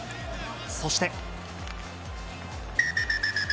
そして。